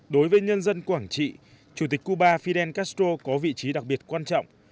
đối với nhân dân quảng trị chủ tịch cuba fidel castro có vị trí đặc biệt quan trọng